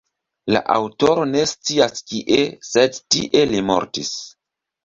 La aŭtoro ne scias kie, sed tie li mortis.